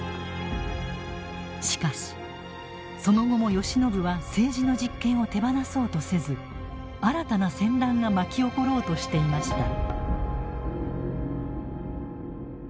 しかしその後も慶喜は政治の実権を手放そうとせず新たな戦乱が巻き起ころうとしていました。